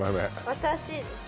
私